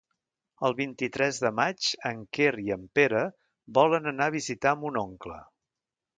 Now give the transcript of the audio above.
El vint-i-tres de maig en Quer i en Pere volen anar a visitar mon oncle.